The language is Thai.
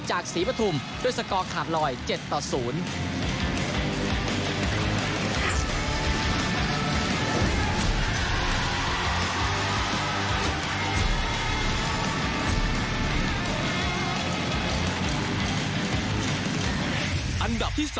จากศรีปฐุมด้วยสกอร์ขาดลอย๗๐